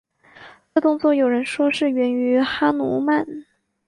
这动作有人说是源于哈奴曼。